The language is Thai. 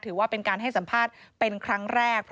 ถือว่าเป็นการให้สัมภาษณ์เป็นครั้งแรก